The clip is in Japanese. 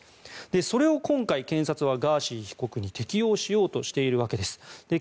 それを今回検察はガーシー被告に適用しようとしているわけです。